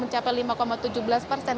mencapai lima tujuh belas persen